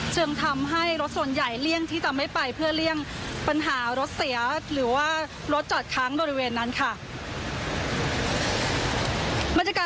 จึงทำให้รถส่วนใหญ่เลี่ยงที่จะไม่ไปเพื่อเลี่ยงปัญหารถเสียหรือว่ารถจอดค้างบริเวณนั้นค่ะ